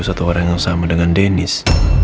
satu orang yang sama dengan dennis